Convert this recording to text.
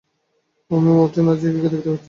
আমি মার্টিন আর জিগিকে দেখতে পাচ্ছি।